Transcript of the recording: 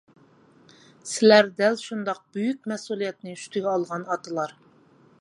سىلەر دەل شۇنداق بۈيۈك مەسئۇلىيەتنى ئۈستىگە ئالغان ئاتىلار.